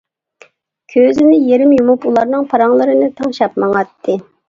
كۆزىنى يېرىم يۇمۇپ ئۇلارنىڭ پاراڭلىرىنى تىڭشاپ ماڭاتتى.